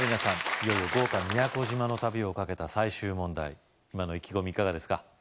いよいよ豪華宮古島の旅をかけた最終問題今の意気込みいかがですか？